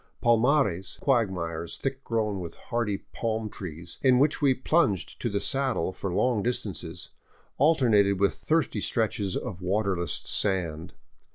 Palmares, quagmires thick grown with hardy palm trees, in which we plunged to the saddle for long distances, alternated with thirsty stretches of waterless sand.